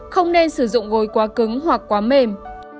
không nên sử dụng gối quá cứng hoặc quá mềm